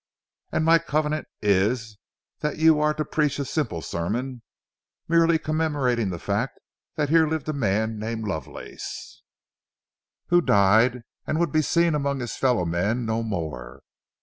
And my covenant is, that you are to preach a simple sermon, merely commemorating the fact that here lived a man named Lovelace, who died and would be seen among his fellow men no more.